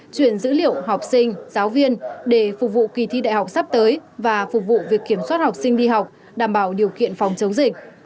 chuyển dữ liệu học sinh giáo viên để phục vụ kỳ thi đại học sắp tới và phục vụ việc kiểm soát học sinh đi học đảm bảo điều kiện phòng chống dịch